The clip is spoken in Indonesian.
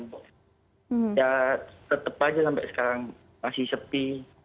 ya tetap aja sampai sekarang masih sepi